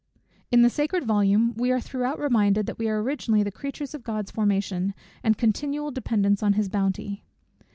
In the sacred volume we are throughout reminded, that we are originally the creatures of God's formation, and continual dependents on his bounty.